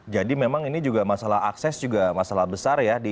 jadi memang ini juga masalah akses juga masalah besar ya di